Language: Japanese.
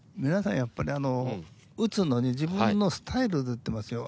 やっぱり打つのに自分のスタイルで打ってますよ。